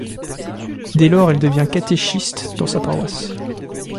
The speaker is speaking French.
Dès lors, elle devient catéchiste dans sa paroisse.